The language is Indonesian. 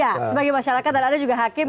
ya sebagai masyarakat dan ada juga hakim